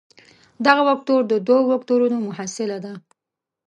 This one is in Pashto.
دغه وکتور د دوو وکتورونو محصله ده.